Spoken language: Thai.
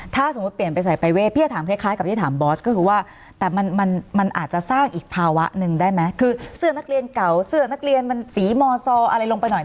แต่มันอาจจะสร้างอีกภาวะนึงได้ไหมคือเสื้อนักเรียนเก่าเสื้อนักเรียนมันสีมอเซาะอะไรลงไปหน่อย